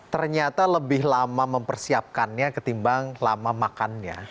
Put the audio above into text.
ternyata lebih lama mempersiapkannya ketimbang lama makannya